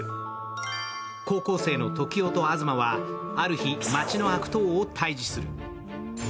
高校生のトキオとアヅマはある日、街の悪党を退治する。